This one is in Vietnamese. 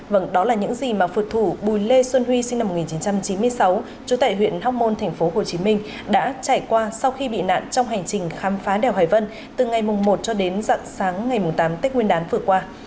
vâng đó là những gì mà phượt thủ bùi lê xuân huy sinh năm một nghìn chín trăm chín mươi sáu chủ tại huyện hóc môn tp hcm đã trải qua sau khi bị nạn trong hành trình khám phá đèo hải vân từ ngày một cho đến dặn sáng ngày tám tết nguyên đán vừa qua